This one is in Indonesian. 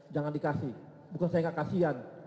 jangan dikasih bukan saya kakasian